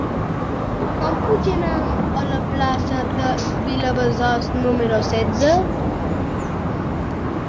Com puc anar a la plaça de Vilabesòs número setze?